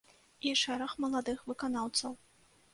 І шэраг маладых выканаўцаў.